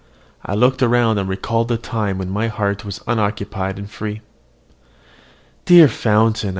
I looked around, and recalled the time when my heart was unoccupied and free. "Dear fountain!"